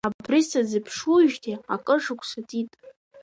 Абри сазыԥшуижьҭеи акыр шықәса ҵит.